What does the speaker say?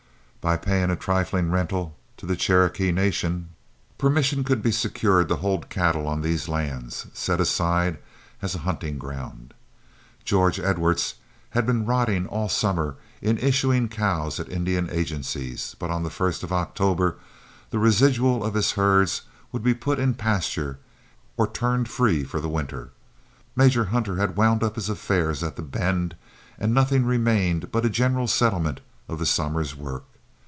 By paying a trifling rental to the Cherokee Nation, permission could be secured to hold cattle on these lands, set aside as a hunting ground. George Edwards had been rotting all summer in issuing cows at Indian agencies, but on the first of October the residue of his herds would be put in pastures or turned free for the winter. Major Hunter had wound up his affairs at The Bend, and nothing remained but a general settlement of the summer's work.